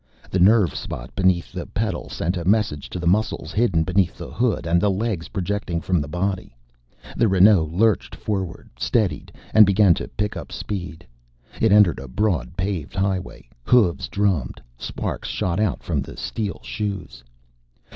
The nerve spot beneath the pedal sent a message to the muscles hidden beneath the hood and the legs projecting from the body. The Renault lurched forward, steadied, and began to pick up speed. It entered a broad paved highway. Hooves drummed; sparks shot out from the steel shoes.